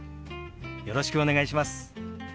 よろしくお願いします。